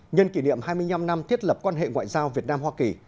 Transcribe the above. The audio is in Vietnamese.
nhân kỷ niệm hai mươi năm năm thiết lập quan hệ ngoại giao việt nam hoa kỳ